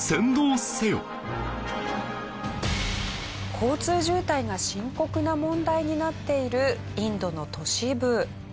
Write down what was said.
交通渋滞が深刻な問題になっているインドの都市部。